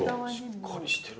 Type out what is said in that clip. しっかりしてる。